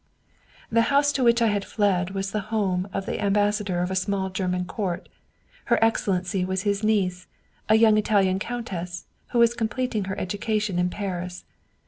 " The house to which I had fled was the home of the ambassador of a small German court. Her excellency was his niece, a young Italian countess, who was completing her education in Paris.